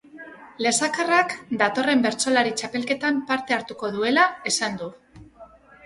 Lesakarrak datorren bertsolari txapelketan parte hartuko duela esan du.